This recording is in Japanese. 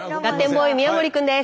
ボーイ宮森君です。